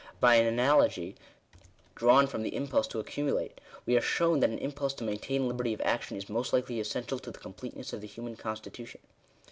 By an analogy drawn from the impulse to accumulate, we are shown that an impulse to main tain liberty of action, is most likely essential to the complete ness of the human constitution.